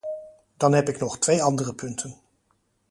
Dan heb ik nog twee andere punten.